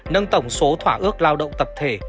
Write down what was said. nâng tổng số thỏa ước lao động tập thể